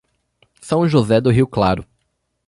São José do Rio Claro